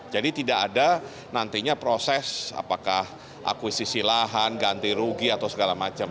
jadi tidak ada nantinya proses apakah akuisisi lahan ganti rugi atau segala macam